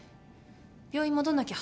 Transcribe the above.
病院戻んなきゃ。